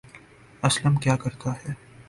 اسلم کیا کرتا ہے